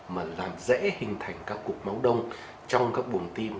mà làm dễ hình thành các cục máu đông trong các buồn tim